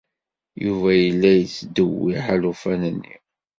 Yuba yella yettdewwiḥ alufan-nni.